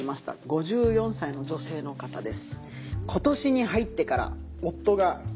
５４歳の女性の方です。